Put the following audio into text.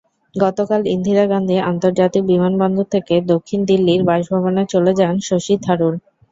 গতকাল ইন্ধিরা গান্ধী আন্তর্জাতিক বিমানবন্দর থেকে দক্ষিণ দিল্লির বাসভবনে চলে যান শশী থারুর।